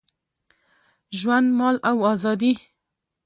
ژوند، مال او آزادي